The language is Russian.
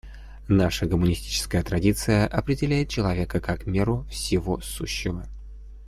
Наша гуманистическая традиция определяет человека как меру всего сущего.